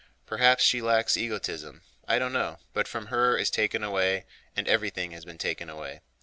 Perhaps she lacks egotism, I don't know, but from her is taken away, and everything has been taken away.